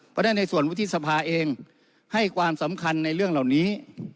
เพราะฉะนั้นในส่วนวุฒิสภาเองให้ความสำคัญในเรื่องเหล่านี้